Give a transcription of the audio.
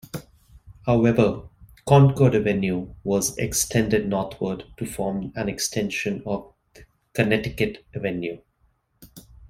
However, Concord Avenue was extended northward to form an extension of Connecticut Avenue.